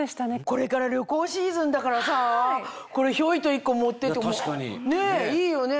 これから旅行シーズンだからさこれヒョイっと１個持ってってもいいよね。